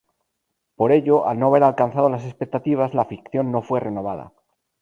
Por ello, al no haber alcanzado las expectativas, la ficción no fue renovada.